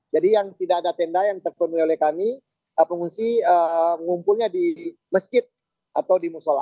jadi yang tidak ada tendang yang terpenuhi oleh kami pengungsi mengumpulnya di mesjid atau di musola